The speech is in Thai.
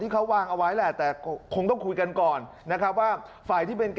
คุณอนุทิน